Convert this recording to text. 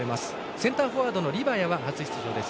センターフォワードのリバヤは初出場です。